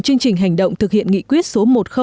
chương trình hành động thực hiện nghị quyết số một mươi